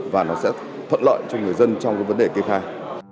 và nó sẽ thuận lợi cho người dân trong vấn đề kế thai